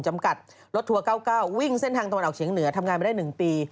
จำกัดรถทัวร์๙๙วิ่งเส้นทางตะวันออกเฉียงเหนือทำงานมาได้๑ปี